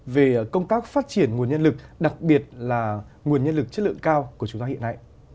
về công tác phát triển nguồn nhân lực đặc biệt là nguồn nhân lực chất lượng cao của chúng ta hiện nay